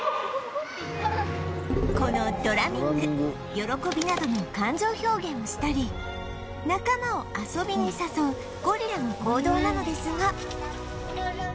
このドラミング喜びなどの感情表現をしたり仲間を遊びに誘うゴリラの行動なのですが